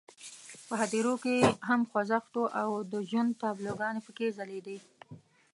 په هدیرو کې یې هم خوځښت وو او د ژوند تابلوګانې پکې ځلېدې.